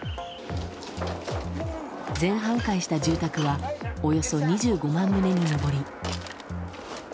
全半壊した住宅はおよそ２５万棟に上り。